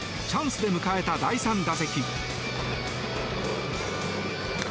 チャンスで迎えた第３打席。